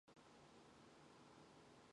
Хотын төвд хоёр өрөө сууц олгож аль.